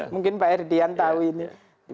mungkin pak herdian tahu ini